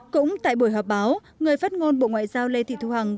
cũng tại buổi họp báo người phát ngôn bộ ngoại giao lê thị thu hằng